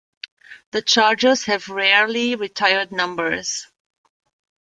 The Chargers have rarely retired numbers.